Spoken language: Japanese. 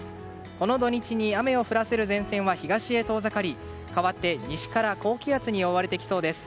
この土日に雨を降らせる前線は東へ遠ざかり、かわって西から高気圧に覆われてきそうです。